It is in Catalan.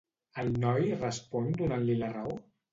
El noi respon donant-li la raó?